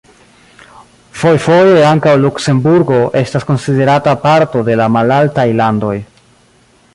Fojfoje ankaŭ Luksemburgo estas konsiderata parto de la Malaltaj Landoj.